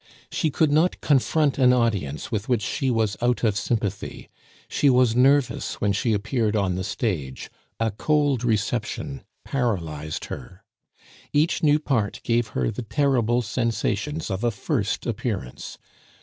She could not confront an audience with which she was out of sympathy; she was nervous when she appeared on the stage, a cold reception paralyzed her. Each new part gave her the terrible sensations of a first appearance.